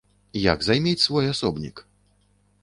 Як займець свой асобнік?